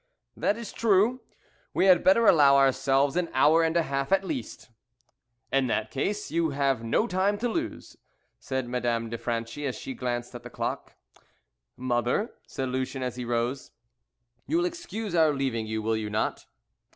"That is true; we had better allow ourselves an hour and a half at least." "In that case you have no time to lose," said Madame de Franchi, as she glanced at the clock. "Mother," said Lucien as he rose, "you will excuse our leaving you, will you not?"